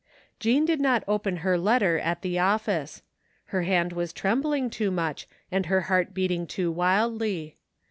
Jean did not open her letter at the office. Her hand was trembling too much and her heart beating too wildly.